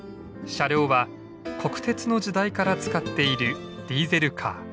車両は国鉄の時代から使っているディーゼルカー。